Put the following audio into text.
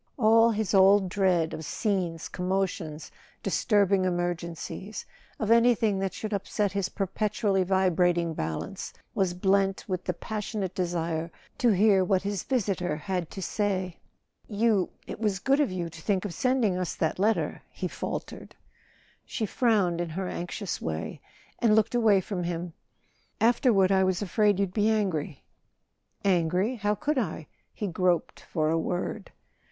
All his old dread of scenes, commotions, disturbing emergencies—of anything that should upset his per¬ petually vibrating balance—was blent with the pas¬ sionate desire to hear what his visitor had to say. "You—it was good of you to think of sending us that letter," he faltered. She frowned in her anxious way and looked away from him. "Afterward I was afraid you'd be angry." "Angry? How could I?" He groped for a word.